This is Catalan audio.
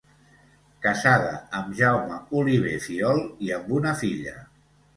Casada amb Jaume Oliver Fiol, i amb una filla.